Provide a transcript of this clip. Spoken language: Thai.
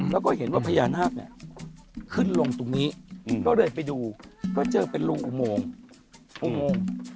แล้วก็เห็นว่าพญานาคเนี่ยขึ้นลงตรงนี้ก็เลยไปดูก็เจอเป็นโรงอุโมงอุโมง